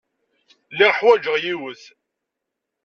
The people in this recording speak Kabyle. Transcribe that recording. Lliɣ ḥwajeɣ yiwet.